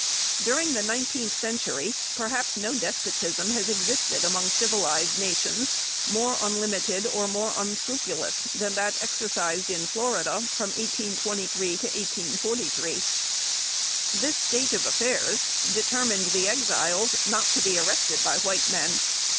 During the nineteenth century, perhaps no despotism has existed among civilized nations more unlimited, or more unscrupulous, than that exercised in Florida, from 1823 to 1843. This state of affairs determined the Exiles not to be arrested by white men.